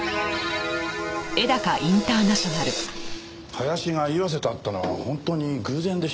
林が岩瀬と会ったのは本当に偶然でしょうか？